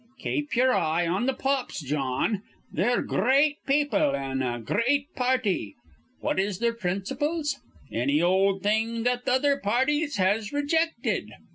"Keep ye'er eye on th' Pops, Jawn. They're gr reat people an' a gr reat pa arty. What is their principles? Anny ol' thing that th' other pa arties has rijected.